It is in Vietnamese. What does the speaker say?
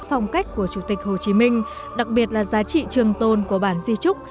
phong cách của chủ tịch hồ chí minh đặc biệt là giá trị trường tồn của bản di trúc